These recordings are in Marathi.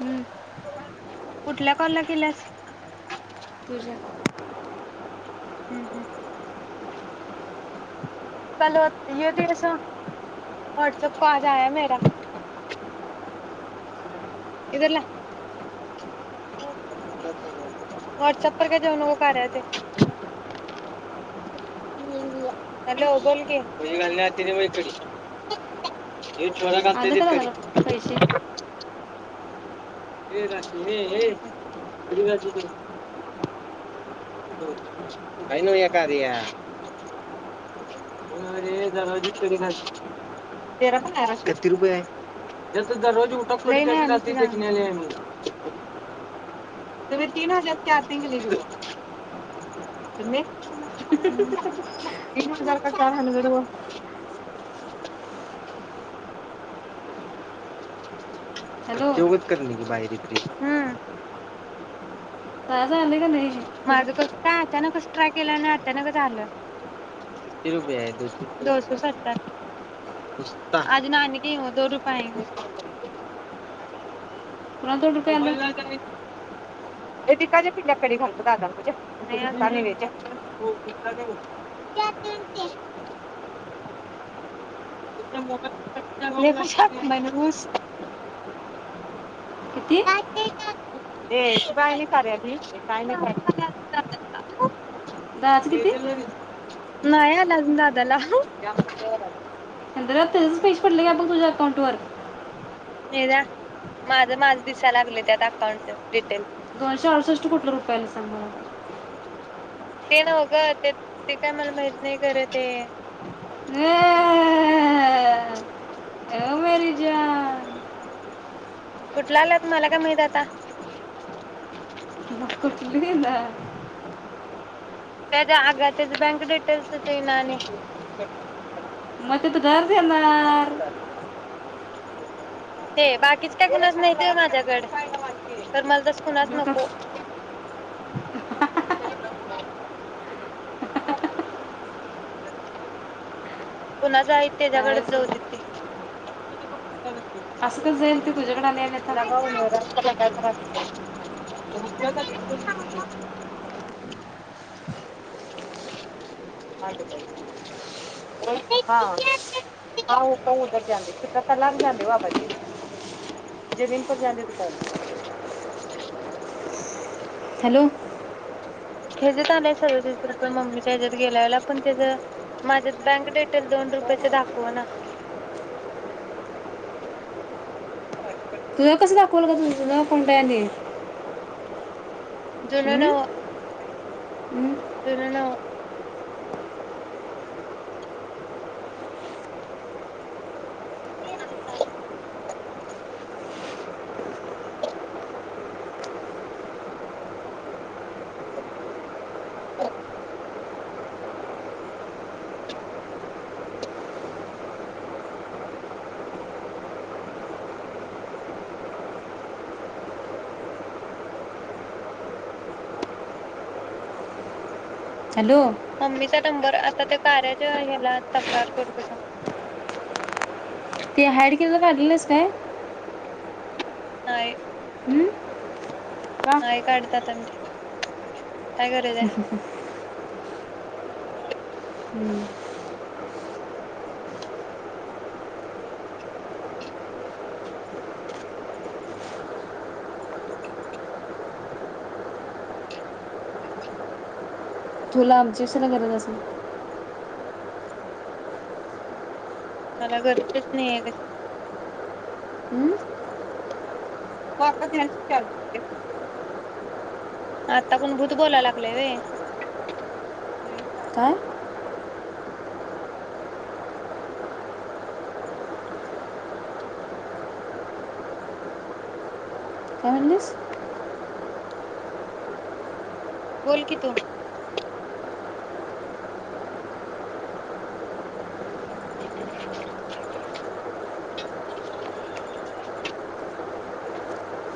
हम्म, कुठल्या कॉल ला केल्यास [unintelligible] तुझ्या हम्म हम्म. [unintelligible] [unintelligible] हॅलो बोल की आलं का दादाला पैसे [unintelligible] हे राशी ये ये तिकडं जा तिकडं हाय न्हव हे कार्या [unintelligible] [inaudible] हॅलो [unintelligible] बाय [unintelligible] चहा झालं का नाही? माझं कस अचानकच ट्राय केला आणि अचानकच आल पुन्हा दोन रुपये आलं मोबाईलला काय [unintelligible] [unintelligible] हे किती दादाचं किती आणि जेलरी नाई आला अजून दादाला [unintelligible] हेंदऱ्या त्याज्यच पैसे पडलं का बघ तुझा अकाउंटवर ये जा माझं माझ दिसायला लागलं त्यात अकाउंटच डिटेल दोनशे अडूसष्ट कुटल रुपय आलं सांग मला ते नाव कां ते ते काय मला माहत नाही खरं ते [unintelligible] [unintelligible] कुठला आला त मला काय माहित आता मग कुठली ना त्याज आग तेच बँक डिटेल्स तेन आणि मग तिथं घर देणार [unintelligible] ते बाकीच काय कुणाचं नाहीत माझ्याकड तर मला त कुणाच मग नको कस- [inaudible] कुणाच आहे काय त्याच्याकडेच सु- जाऊ दे असं कसं जाईल ते तुझ्याकडे आले आणि आता [unintelligible] [unintelligible] [unintelligible] हॅलो हेच आलंय सर्व तीस रुपये मम्मीच्या ह्याच्यात गेल्यावेळेला पण त्याच माझ्यात बँक डिटेल दोन रुपयाच दाखव ना [inaudible] तुझं कसं दाखवल ग तुझ तुझ कोणत जुन न्हवं जुनं न्हवं त [inaudible] [inaudible] ह [unintelligible] [unintelligible] हॅलो [inaudible] मम्मीचा नंबर आता त्या कार्याच्या ह्याला तक्रार करतो थांब ते हाड [unintelligible] काय नाय हं? का नाही काढतातात ते काय गरज हाय? [inaudible] तुला आमचीसुद्धा गरज नसेल. मला घरचच नाहीये कशा, हं? का का द्यास चालू आता कोण भूत बोलाय लागलय व्हय? काय? य म्हणलीस? बोल की तु [unintelligible]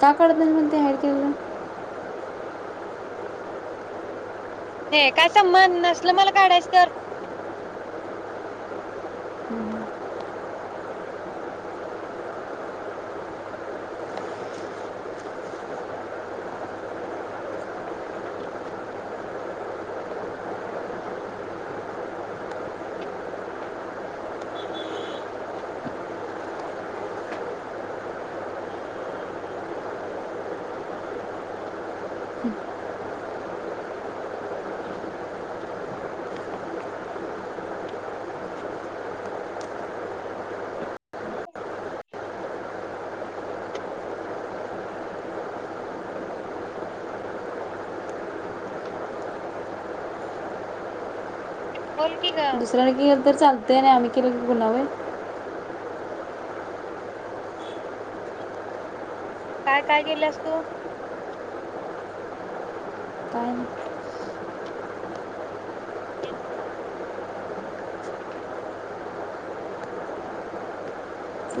का काढत नाहीस म्हण ते हाय तेवढं? ए काय संबंध नसलं मला काढायचं तर? [unintelligible] बोल की ग दुसऱ्याने के तर चालतंय आणि आम्ही केलं की गुन्हा व्हय? काय काय केलीस तू? काय नाही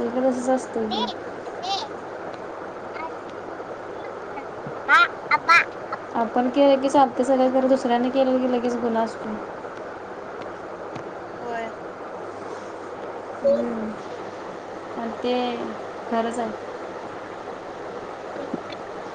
उग रेरीसज ए आते आ आबा आबा. आपण केलं की साफ ते सगळं जर दुसऱ्यानी केलं तर तीस गुणा असतो होय मग ते खरंच आहे [unintelligible]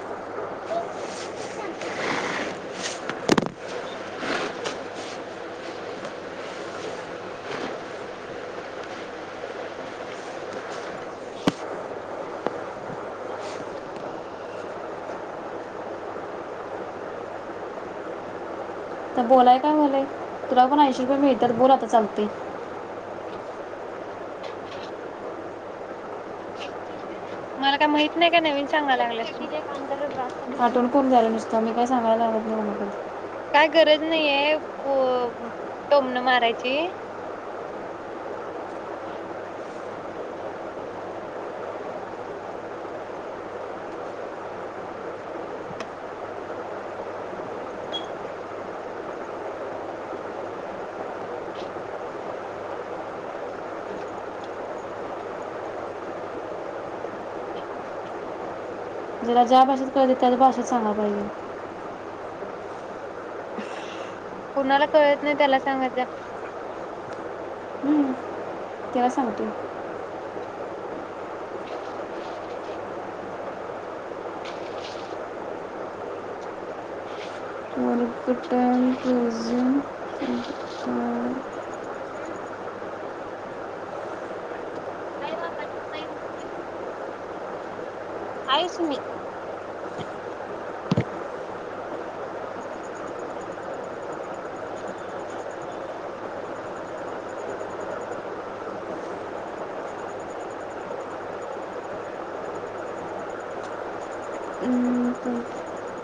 [unintelligible] आता बोलाय काय व्हायलय? तुला पण ऐंशी रुपये मिळत्यात बोल आता चालतंय. [unintelligible] मला काय माहित नाही काय? नवीन सांगाय लागलीयास तू. आठवून कोण जायलं नुसतं मी काय सांगायला लागल नाही आहे पो टोमन मारायचे. [unintelligible] ज्याला ज्या भाषाच कळतंय त्या भाषेत सां सांगाय पाहिजे. कुणाला कळत नाही त्याला सांगत जा. त्याला सांगतूय हं कुठाय रोजंग हम्म हम्म हम्म नाही बाबा पेरू तर पेरू हाय सुमित [inaudible] [inaudible]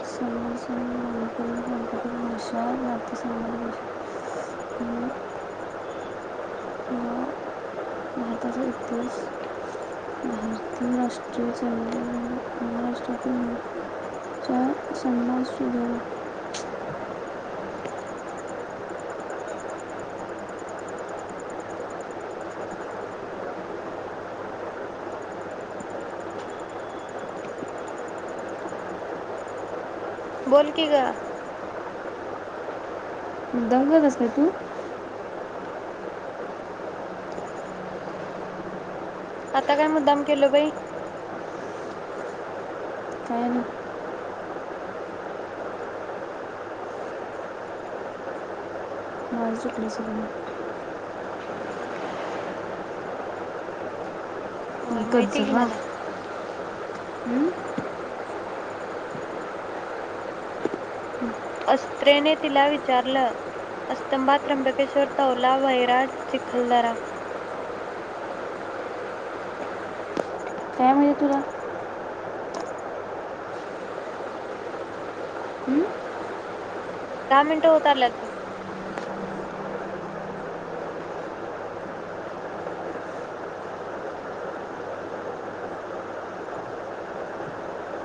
समोर समोर मणिपुरी सांकेतिक भाषा भारतासंबंधित भाषा किंवा भारताचा इतिहास भारतीय राष्ट्रीय संगीत महाराष्ट्रातील मुख्य सन्मान सुधीर [inaudible] बोलकी ग दंगल असली की आता काय मुद्दाम केलं बाई? काय नाही हा चुकलं सोडा माझं. होय माहितीय की गजरा मला हम्म अस्त्रेने तिला विचारलं अस्तंभात त्र्यंबकेश्वर, तौला, वैराट, चिखलदरा काय माहिती तुला हं? दहा मिनटं होत आल्यात ब.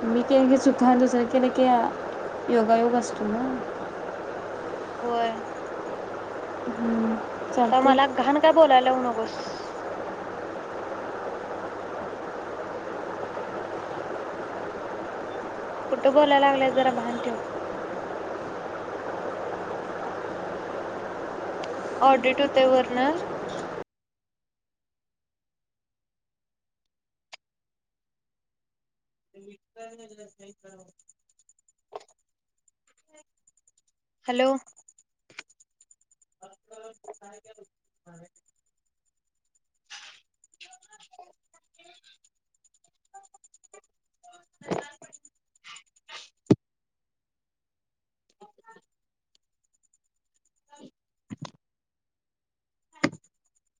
मी केले की सुखान दुसरं केलं की योगायोग असतो ना. होय तर चालते मला घाण काय बोलायलावू नको. बस कुठं बोलायला लागलियास जरा भान ठेव. ऑडिट होतय वरण हॅलो [inaudible] [inaudible] [inaudible]